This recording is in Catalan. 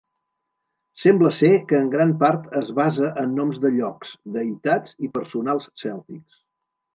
Sembla ser que en gran part es basa en noms de llocs, deïtats i personals cèltics.